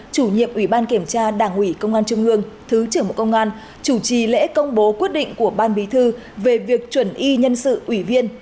chủ nhiệm ủy ban kiểm tra đảng ủy công an trung ương thứ trưởng bộ công an chủ trì lễ công bố quyết định của ban bí thư về việc chuẩn y nhân sự ủy viên